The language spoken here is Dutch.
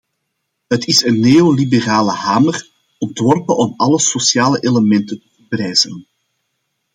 Het is een neoliberale hamer, ontworpen om alle sociale elementen te verbrijzelen.